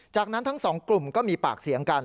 จากนั้นทั้งสองกลุ่มก็มีปากเสียงกัน